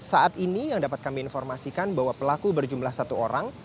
saat ini yang dapat kami informasikan bahwa pelaku berjumlah satu orang